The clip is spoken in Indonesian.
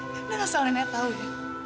nenek asal nenek tau ya